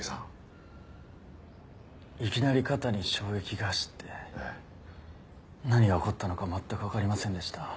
いきなり肩に衝撃が走って何が起こったのか全くわかりませんでした。